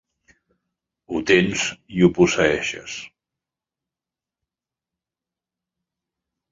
Ho tens i ho posseeixes.